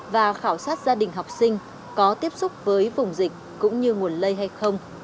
và khảo sát gia đình học sinh có tiếp xúc với vùng dịch cũng như nguồn lây hay không